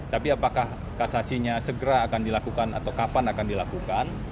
tapi apakah kasasinya segera akan dilakukan atau kapan akan dilakukan